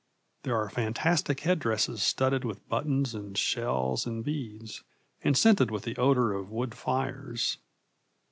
There are fantastic head dresses studded with buttons and shells and beads, and scented with the odor of wood fires.